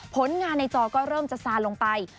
ผลงานในจอก็เริ่มจะซาลงไป